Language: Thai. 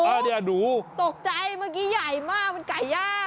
อันนี้นูตกใจมันกูใหญ่มากมันไก่ยาก